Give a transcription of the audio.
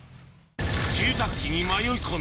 住宅地に迷い込み